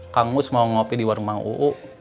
kang mus mau ngopi di warung mang uu